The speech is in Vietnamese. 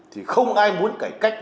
thì không ai muốn cải cách